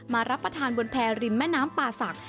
รับประทานบนแพรริมแม่น้ำป่าศักดิ